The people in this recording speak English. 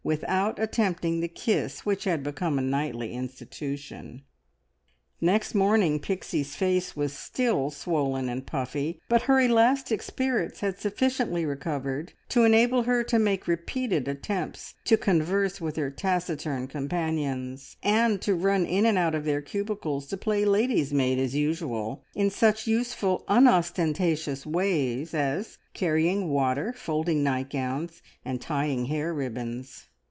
without attempting the kiss which had become a nightly institution! Next morning Pixie's face was still swollen and puffy, but her elastic spirits had sufficiently recovered to enable her to make repeated attempts to converse with her taciturn companions, and to run in and out of their cubicles to play lady's maid as usual, in such useful, unostentatious ways as carrying water, folding nightgowns, and tying hair ribbons.